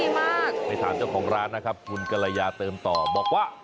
ไปถามเจ้าของร้านนะครับคุณกรยาเติมต่อบอกว่า